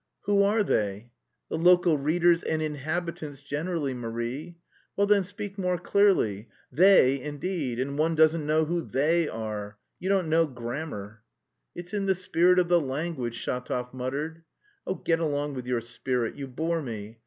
"Who are they?" "The local readers and inhabitants generally, Marie." "Well, then, speak more clearly. They indeed, and one doesn't know who they are. You don't know grammar!" "It's in the spirit of the language," Shatov muttered. "Oh, get along with your spirit, you bore me.